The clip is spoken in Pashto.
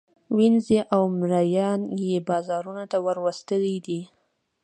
وینزې او مرییان یې بازارانو ته وروستلي دي.